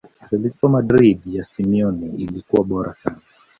athletico madrid ya simeone ilikuwa bora sana